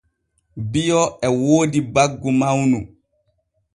Bio e woodi baggu mawnu.